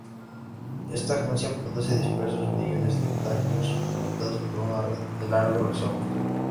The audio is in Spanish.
Esta juncia produce dispersos mechones de tallos conectados por una red de largos rizomas.